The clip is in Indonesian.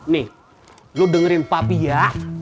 nih lo dengerin papi ya